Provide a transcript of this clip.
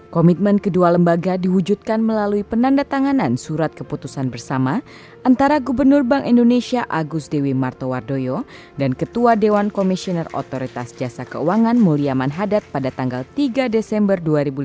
komitmen kedua lembaga diwujudkan melalui penanda tanganan surat keputusan bersama antara gubernur bank indonesia agus dewi martowardoyo dan ketua dewan komisioner otoritas jasa keuangan mulia manhadat pada tanggal tiga desember dua ribu lima belas